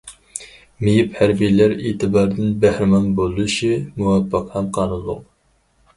مېيىپ ھەربىيلەر ئېتىباردىن بەھرىمەن بولۇشى مۇۋاپىق ھەم قانۇنلۇق.